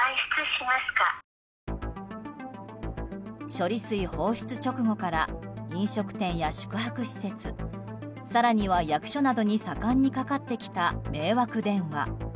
処理水放出直後から飲食店や宿泊施設更には役所などに盛んにかかってきた迷惑電話。